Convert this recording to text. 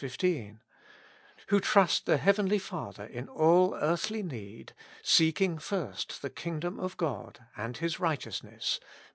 15); who trust the heavenly Father in all earthly need, seeking first the kingdom of God and His righteousness (vi.